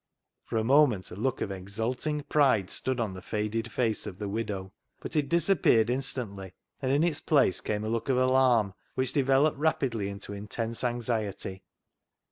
For a moment a look of exulting pride stood on the faded face of the widow, but it disap peared instantly, and in its place came a look of alarm, which developed rapidly into intense anxiety.